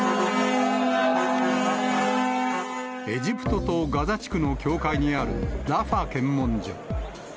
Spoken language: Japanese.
エジプトとガザ地区の境界にあるラファ検問所。